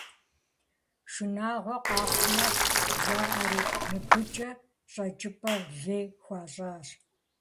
Шынагъуэ къэхъумэ, жаӏэри, мыбыкӏэ щӏэкӏыпӏэ лей хуащӏащ.